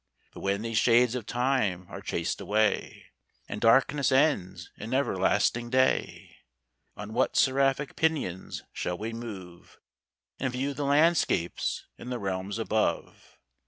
But when these shades of time are chas'd away, And darkness ends in everlasting day, On what seraphic pinions shall we move, And view the landscapes in the realms above?